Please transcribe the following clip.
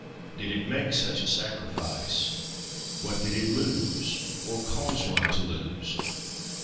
Did it make such a sacrifice? What did it lose, or cause one to lose?